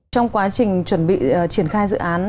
trong quá trình chuẩn bị triển khai dự án